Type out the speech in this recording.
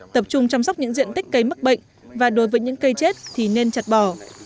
tập trung chăm sóc những diện tích cây mắc bệnh và đối với những cây chết thì nên chặt bỏ